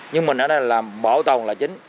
nhưng mình ở đây làm bảo tồn là chính